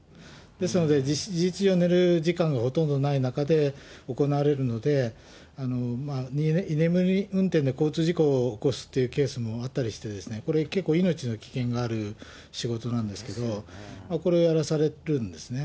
ですので、事実上、寝る時間がほとんどない中で行われるので、居眠り運転で交通事故を起こすっていうケースもあったりしてですね、結構、命の危険がある仕事なんですけど、これをやらされるんですね。